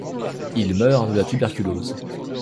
Il meurt de la tuberculose.